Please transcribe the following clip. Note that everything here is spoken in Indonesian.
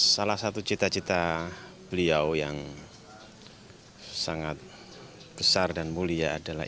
salah satu cita cita beliau yang sangat besar dan mulia adalah